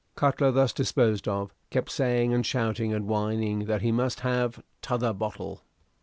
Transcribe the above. Cutler, thus disposed of, kept saying and shouting and whining that he must have "t'other bottle."